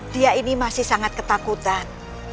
dia ini masih sangat ketakutan